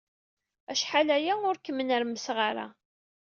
Acḥal aya ur kem-nnermseɣ ara.